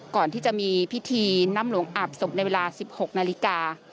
ก่อนที่จะมีพิธีน้ำหลวงอาบศพในเวลา๑๖นาฬิกา